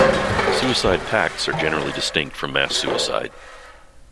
Suicide pacts are generally distinct from mass suicide.